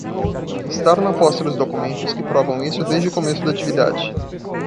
Estar na posse dos documentos que provam isso desde o começo da atividade.